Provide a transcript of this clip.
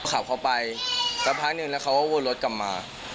ขับเข้าไปสักพักหนึ่งแล้วเขาก็วนรถกลับมา